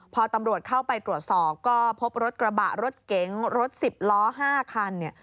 พอตำรวจเข้าไปตรวจสอบก็พบรถกระบะรถเก๋งรถ๑๐ล้อ๕คันเนี่ย